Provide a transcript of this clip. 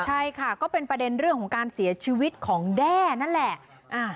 ใช่ค่ะก็เป็นประเด็นเรื่องของการเสียชีวิตของแด้นั่นแหละ